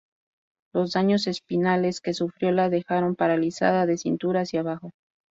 Los daños espinales que sufrió la dejaron paralizada de cintura hacia abajo.